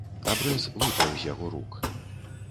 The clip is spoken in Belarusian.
Абрэз выпаў з яго рук.